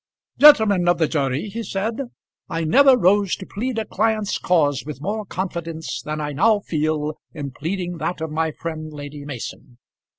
"Gentlemen of the jury," he said, "I never rose to plead a client's cause with more confidence than I now feel in pleading that of my friend Lady Mason.